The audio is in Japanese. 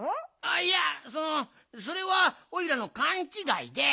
いやそのそれはおいらのかんちがいで。